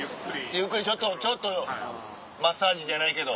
ゆっくりちょっとちょっとマッサージじゃないけど。